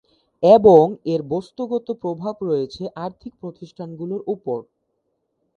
এবং এর বস্তুগত প্রভাব রয়েছে আর্থিক প্রতিষ্ঠানগুলোর উপর।